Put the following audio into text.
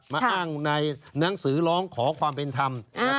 มาอ้างในหนังสือร้องขอความเป็นธรรม